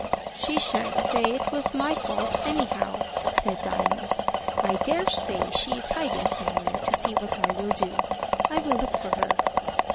"She shan't say it was my fault, anyhow!" said Diamond. "I daresay she is hiding somewhere to see what I will do. I will look for her."